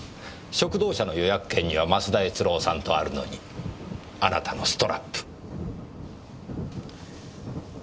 食堂車の予約券には増田悦郎さんとあるのにあなたのストラップ。